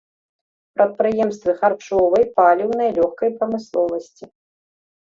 Прадпрыемствы харчовай, паліўнай, лёгкай прамысловасці.